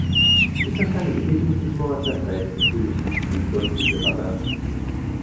Il s’installe définitivement à Safed où il occupe le poste de rabbin.